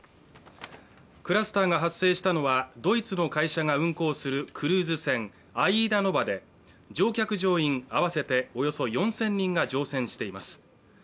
クラスターが発生したのはドイツの会社が運航するクルーズ船「アイーダノヴァ」で、乗客・乗員合わせておよそ４０００人が乗船しています。